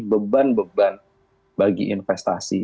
beban beban bagi investasi